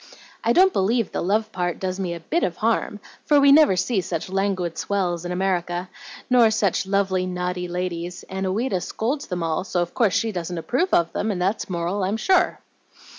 I don't believe the love part does me a bit of harm, for we never see such languid swells in America, nor such lovely, naughty ladies; and Ouida scolds them all, so of course she doesn't approve of them, and that's moral, I'm sure."